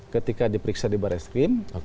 ketika diperiksa di baris krim